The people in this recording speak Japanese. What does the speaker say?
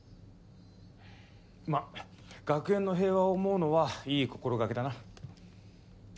まあ学園の平和を思うのはいい心掛けだな。